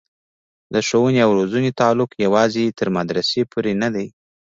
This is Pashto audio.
د ښوونې او روزنې تعلق یوازې تر مدرسې پورې نه دی.